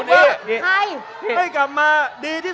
คุณจิลายุเขาบอกว่ามันควรทำงานร่วมกัน